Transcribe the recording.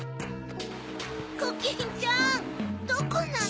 コキンちゃんどこなの？